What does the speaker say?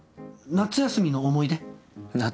『夏休みの思い出』？